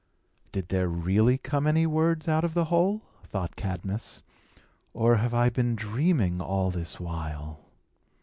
"Did there really come any words out of the hole?" thought Cadmus; "or have I been dreaming all this while?"